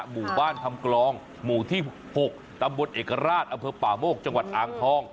หมู่บ้านทำกลองหมู่ที่๖ตำบลเอกราชอำเภอป่าโมกจังหวัดอ่างทอง